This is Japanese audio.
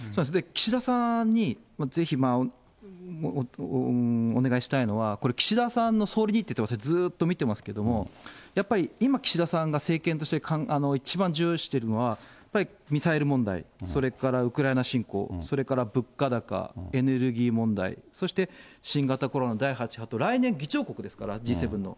岸田さんにぜひお願いしたいのは、これ、岸田さんの総理日程をずっと見てますけれども、やっぱり今、岸田さんが政権として一番重要視しているのは、やっぱりミサイル問題、それからウクライナ侵攻、それから物価高、エネルギー問題、そして新型コロナ第８波と、来年議長国ですから、Ｇ７の。